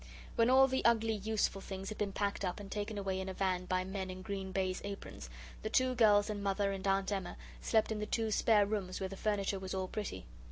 When all the ugly useful things had been packed up and taken away in a van by men in green baize aprons, the two girls and Mother and Aunt Emma slept in the two spare rooms where the furniture was all pretty.